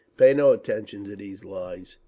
Pay no attention to these lies….